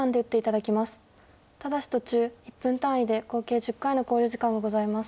ただし途中１分単位で合計１０回の考慮時間がございます。